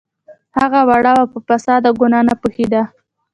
هغه وړه وه په فساد او ګناه نه پوهیده